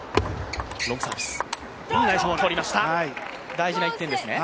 大事な一点ですね。